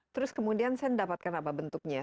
terus kemudian saya mendapatkan apa bentuknya